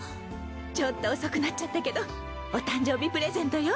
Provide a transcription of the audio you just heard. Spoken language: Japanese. ちょっと遅くなっちゃったけどお誕生日プレゼントよ。